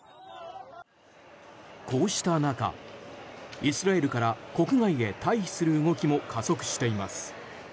こうした中、イスラエルから国外へ退避する動きも加速しています。